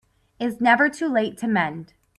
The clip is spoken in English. It's never too late to mend